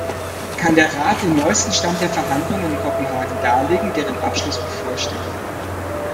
Kann der Rat den neuesten Stand der Verhandlungen in Kopenhagen darlegen, deren Abschluss bevorsteht?